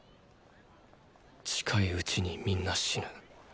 近いうちにみんな死ぬ。